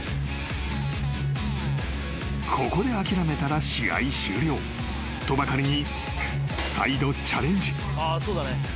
［ここで諦めたら試合終了とばかりに再度チャレンジ］